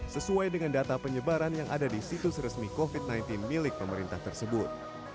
sesuai dengan data penyebaran yang ada di situs resmi covid sembilan belas milik pemerintah tersebut